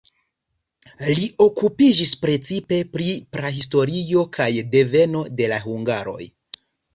Li okupiĝis precipe pri prahistorio kaj deveno de la hungaroj.